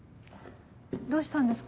どうしたんですか？